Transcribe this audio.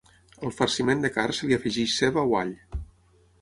Al farciment de carn se li afegeix ceba o all.